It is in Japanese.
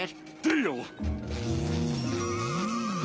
いいよ！